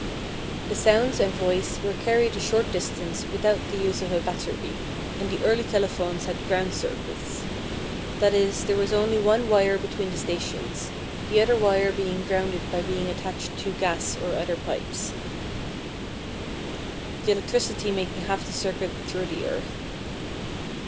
The sounds and voice were carried a short distance without the use of a battery, and the early telephones had ground circuits; that is, there was only one wire between the stations, the other wire being grounded by being attached to gas or other pipes, the electricity making half the circuit through the earth.